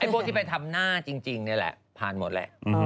พวกที่ไปทำหน้าจริงนี่แหละผ่านหมดแหละ